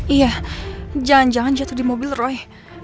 iya jangan jangan jatuh di mobil roy